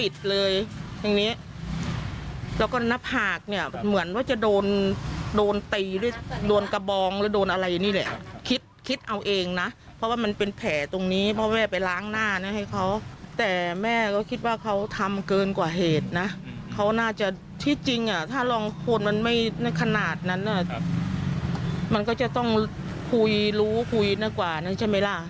ถ้าลองโฆษณ์มันไม่ขนาดนั้นมันก็จะต้องคุยรู้คุยกว่านั้นใช่ไหมล่ะ